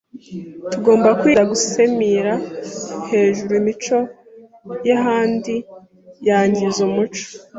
Tugombe kwirinde gusemire hejuru imico y’ehendi yengize umuco